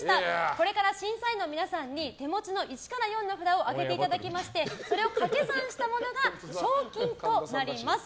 これから審査員の皆さんに手持ちの１から４の札を上げていただきましてそれを掛け算したものが賞金となります。